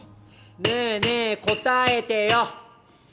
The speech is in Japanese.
ねぇねぇ答えてよ。